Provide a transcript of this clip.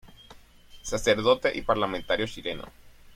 Sacerdote y parlamentario chileno.